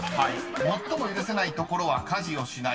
［最も許せないところは家事をしない。